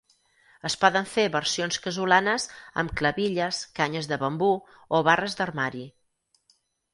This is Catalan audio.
Es poden fer versions casolanes amb clavilles, canyes de bambú o barres d'armari.